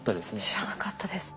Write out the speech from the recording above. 知らなかったです。